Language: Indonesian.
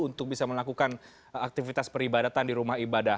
untuk bisa melakukan aktivitas peribadatan di rumah ibadah